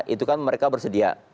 itu kan mereka bersedia